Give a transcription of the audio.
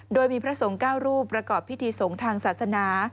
โดยมีพระสงฆ์๙รูปประกอบพิธีสงฆ์ทางศาสนา